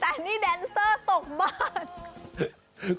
แต่นี่แดนเซอร์ตกบ้าน